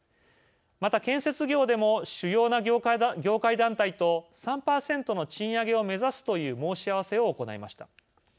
また建設業でも主要な業界団体と３％の賃上げを目指すという申し合わせを行いました。